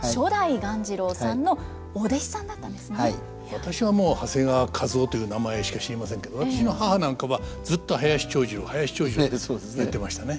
私はもう長谷川一夫という名前しか知りませんけど私の母なんかはずっと「林長二郎林長二郎」って言ってましたね。